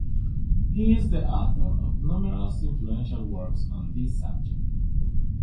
He is the author of numerous influential works on this subject.